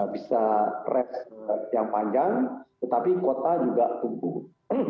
bisa race yang panjang tetapi kota juga tumbuh